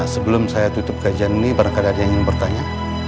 sebelum saya tutup kajian ini barangkali ada yang ingin bertanya